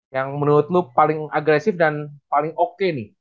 yang menurut lo paling agresif dan paling oke nih